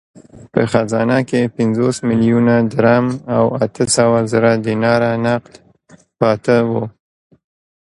په خزانه کې پنځوس میلیونه درم او اته سوه زره دیناره نغد پاته وو.